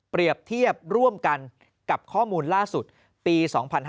เทียบร่วมกันกับข้อมูลล่าสุดปี๒๕๕๙